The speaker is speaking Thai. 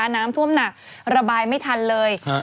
น้ำท่วมหนักระบายไม่ทันเลย